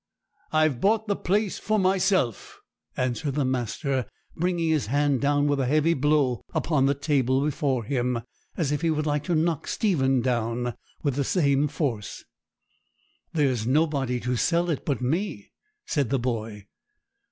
'I've bought the place for myself,' answered the master, bringing his hand down with a heavy blow upon the table before him, as if he would like to knock Stephen down with the same force. 'There's nobody to sell it but me,' said the boy.